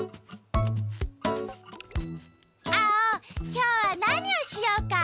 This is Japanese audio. きょうはなにをしようか？